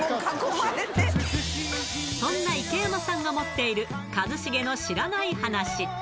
そんな池山さんが持っている一茂の知らない話。